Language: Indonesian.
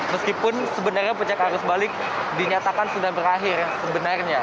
meskipun sebenarnya puncak arus balik dinyatakan sudah berakhir sebenarnya